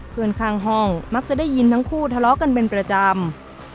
เพื่อนข้างห้องมักจะได้ยินทั้งคู่ทะเลาะกันเป็นประจำ